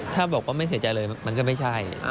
ถ้าบอกว่าไม่เสียใจเลยมันก็ไม่ใช่